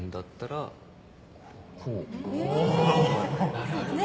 なるほどね。